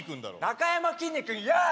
なかやまきんに君ヤー！